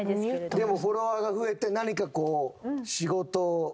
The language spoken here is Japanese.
でもフォロワーが増えて何かこう。